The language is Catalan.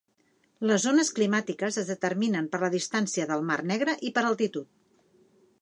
Les zones climàtiques es determinen per la distància del mar Negre i per altitud.